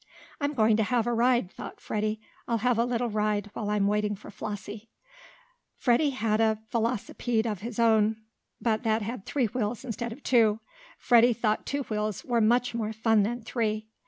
"I'm going to have a ride," thought Freddie. "I'll have a little ride, while I'm waiting for Flossie." Freddie had a velocipede of his own, but that had three wheels instead of two. Freddie thought two wheels were much more fun than three.